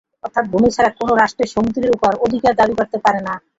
অর্থাৎ ভূমি ছাড়া কোনো রাষ্ট্র সমুদ্রের ওপর অধিকার দাবি করতে পারে না।